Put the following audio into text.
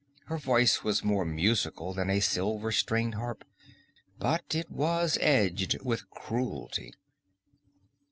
Her voice was more musical than a silver stringed harp, but it was edged with cruelty.